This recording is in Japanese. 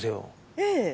ええ。